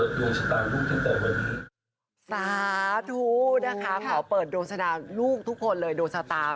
กรุงการเปิดโดนสนานลูกทุกคนเลยโดาชตา